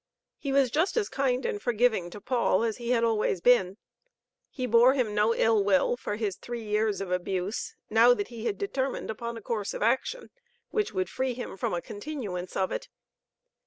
He was just as kind and forgiving to Paul as he had always been. He bore him no ill will for his three years of abuse, now that he had determined upon a course of action, which would free him from a continuance of it.